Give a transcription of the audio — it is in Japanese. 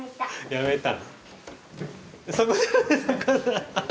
やめた？